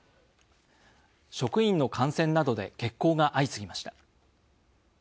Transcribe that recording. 職員の感染などで欠航が相次ぎました。